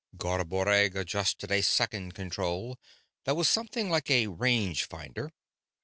Garboreggg adjusted a second control that was something like a range finder.